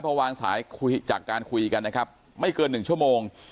พอวางสายจากการคุยกันนะครับไม่เกินหนึ่งชั่วโมง